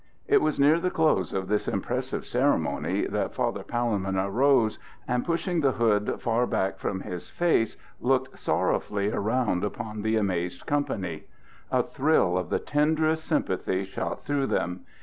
It was near the close of this impressive ceremony that Father Palemon arose, and, pushing the hood far back from his face, looked sorrowfully around upon the amazed company. A thrill of the tenderest sympathy shot through them.